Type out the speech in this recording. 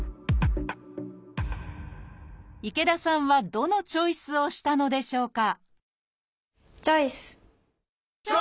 池田さんはどのチョイスをしたのでしょうか？